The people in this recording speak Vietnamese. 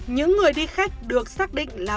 những người đi khách được xác định là